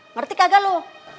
ngerti kagak lu